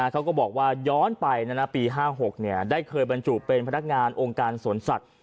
เขาก็บอกว่าย้อนไปปี๕๖ได้เคยบรรจุเป็นพนักงานองค์การสวนสัตว